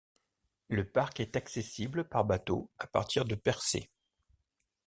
Le parc est accessible par bateau à partir de Percé.